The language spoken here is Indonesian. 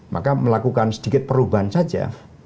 maka melakukan sedikit perubahan saja